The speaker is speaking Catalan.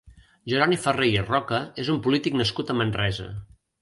Jeroni Ferrer i Roca és un polític nascut a Manresa.